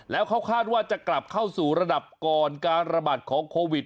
แล้วเขาคาดว่าจะกลับเข้าสู่ระดับก่อนการระบาดของโควิด